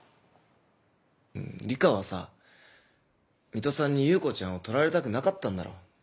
梨花はさ水戸さんに優子ちゃんを取られたくなかったんだろう。